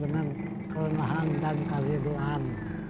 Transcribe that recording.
harus dengan kenahan dan keleluhan